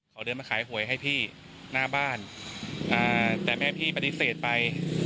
เขาเดินมาขายหวยให้พี่หน้าบ้านแต่แม่พี่ปฏิเสธไป